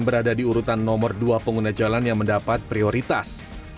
berada di urutan nomor dua pengguna jalan yang mendapat prioritas